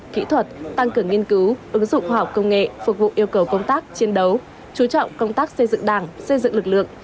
kỹ thuật tăng cường nghiên cứu ứng dụng khoa học công nghệ phục vụ yêu cầu công tác chiến đấu chú trọng công tác xây dựng đảng xây dựng lực lượng